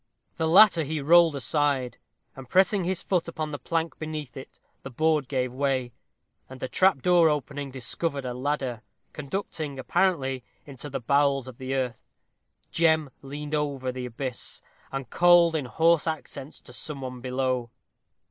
The latter he rolled aside, and pressing his foot upon the plank beneath it, the board gave way, and a trap door opening, discovered a ladder, conducting, apparently, into the bowels of the earth. Jem leaned over the abyss, and called in hoarse accents to some one below.